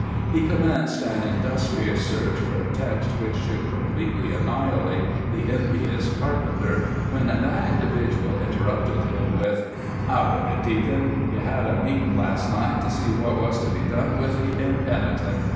He commenced an industrious search for a text which should completely annihilate the impious carpenter, when that individual interrupted him with: "Out with it, Deac'n ye had a meetin' las' night to see what was to be done with the impenitent.